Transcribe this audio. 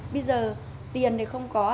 bây giờ tiền thì không có